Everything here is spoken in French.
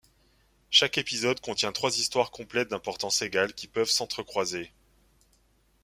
Chaque épisode contient trois histoires complètes d'importance égale qui peuvent s'entrecroiser.